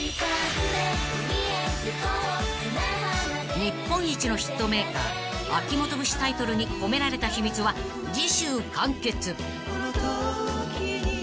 ［日本一のヒットメーカー秋元節タイトルに込められた秘密は次週完結］